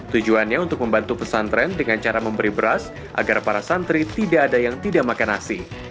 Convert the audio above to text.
tujuannya untuk membantu pesantren dengan cara memberi beras agar para santri tidak ada yang tidak makan nasi